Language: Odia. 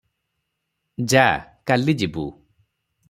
ଯା – କାଲି ଯିବୁ।